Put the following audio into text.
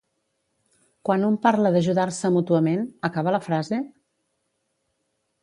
Quan una parla d'ajudar-se mútuament, acaba la frase?